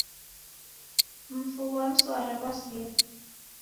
Mfu ghwa msara ghwasia